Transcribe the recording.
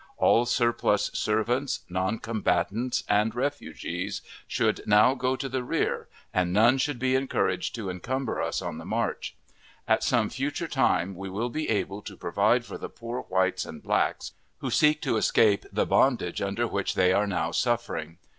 All surplus servants, noncombatants, and refugees, should now go to the rear, and none should be encouraged to encumber us on the march. At some future time we will be able to provide for the poor whites and blacks who seek to escape the bondage under which they are now suffering.